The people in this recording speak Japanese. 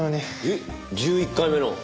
えっ１１回目の？